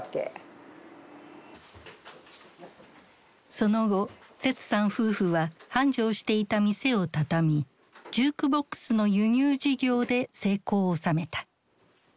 その後セツさん夫婦は繁盛していた店をたたみジュークボックスの輸入事業で成功をおさめた。